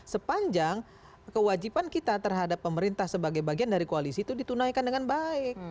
sepanjang kewajiban kita terhadap pemerintah sebagai bagian dari koalisi itu ditunaikan dengan baik